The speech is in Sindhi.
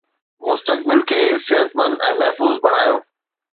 مستقبل کي صحتمند ۽ محفوظ بڻايو